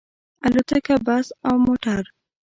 الوتکه، بس او موټر